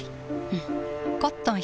うん。